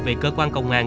về cơ quan công an